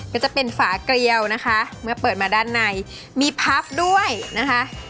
ก็จะเป็นฝาเกรียวนะคะเมื่อเปิดมาด้านในมีพับด้วยนะคะ